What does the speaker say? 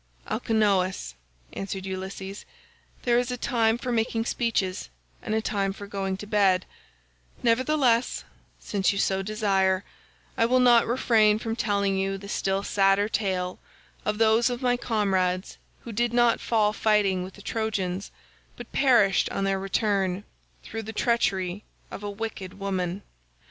"Alcinous," answered Ulysses, "there is a time for making speeches, and a time for going to bed; nevertheless, since you so desire, I will not refrain from telling you the still sadder tale of those of my comrades who did not fall fighting with the Trojans, but perished on their return, through the treachery of a wicked woman.